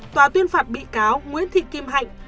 tòa tuyên phạt bị cáo nguyễn thị kim hạnh